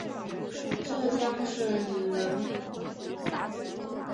浙江鄞县人。